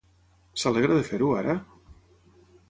S'alegra de fer-ho ara?